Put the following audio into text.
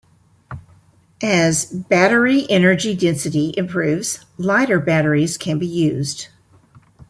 As battery energy density improves lighter batteries can be used.